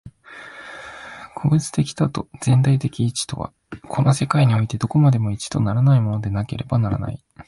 個物的多と全体的一とは、この世界においてどこまでも一とならないものでなければならない。